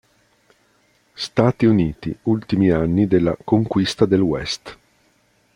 Stati Uniti, ultimi anni della "conquista del West".